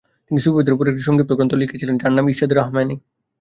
তিনি সুফিবাদের উপর একটি সংক্ষিপ্ত গ্রন্থ লিখেছিলেন, যার নাম ইরশাদে রহমানি।